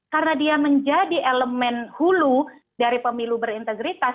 karena dia menjadi elemen hulu dari pemilu berintegritas